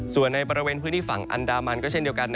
ส่วนในบริเวณพื้นที่ฝั่งอันดามันก็เช่นเดียวกัน